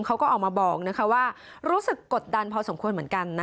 เขาก็ออกมาบอกว่ารู้สึกกดดันพอสมควรเหมือนกัน